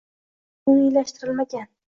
Qonuniylashtirilmagan